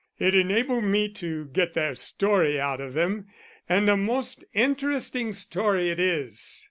"It enabled me to get their story out of them, and a most interesting story it is."